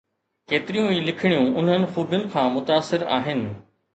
ڪيتريون ئي لکڻيون انهن خوبين کان متاثر آهن.